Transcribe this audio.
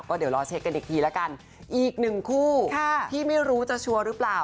ก็เดี๋ยวรอเช็คกันอีกทีละกันอีกหนึ่งคู่ที่ไม่รู้จะชัวร์หรือเปล่า